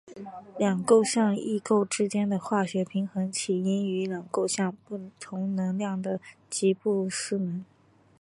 两构象异构之间的化学平衡起因于两构象不同能量的吉布斯能。